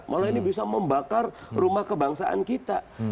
malah ini bisa membakar rumah kebangsaan kita